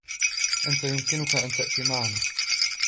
أنتَ يمكنكَ أن تأتي معنا.